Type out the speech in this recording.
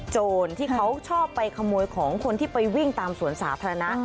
โจรที่เขาชอบไปขโมยของคนที่ไปวิ่งตามสวนสาธารณะ